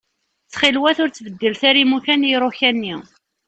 Ttxil-wat ur ttbeddilet ara imukan i iruka-nni.